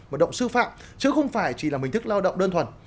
một động sư phạm chứ không phải chỉ là một hình thức lao động đơn thuần